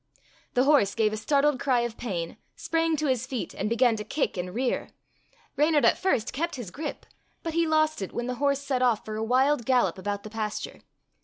The horse, gave a startled cry of pain, sprang to his feet, and began to kick and rear. Reynard at first kept his grip, but he lost it Fairy Tale Foxes 11 when the horse set off for a wild gallop about the pasture.